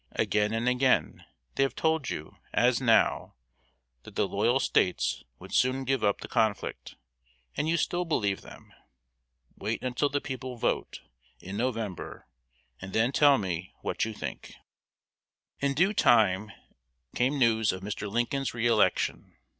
Again and again they have told you, as now, that the loyal States would soon give up the conflict, and you still believe them. Wait until the people vote, in November, and then tell me what you think." In due time came news of Mr. Lincoln's re election.